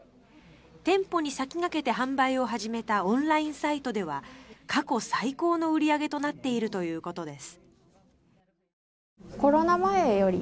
店舗に先駆けて販売を始めたオンラインサイトでは過去最高の売り上げとなっているということです。